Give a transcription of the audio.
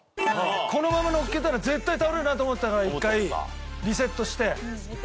このまま乗っけたら絶対倒れるなと思ったから１回リセットしてやりました。